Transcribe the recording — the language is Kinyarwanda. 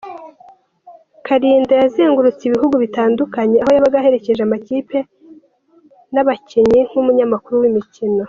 Kalinda yazengurutse ibihugu bitandukanye, aho yabaga aherekeje amakipe n'abakinnyi nk'umunyamakuru w'imikino.